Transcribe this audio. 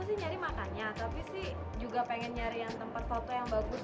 saya nyari makannya tapi sih juga pengen nyari yang tempat foto yang bagus